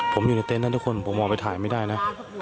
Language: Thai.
ผมอยู่ในเต็นต์นั้นทุกคนผมออกไปถ่ายไม่ได้นะ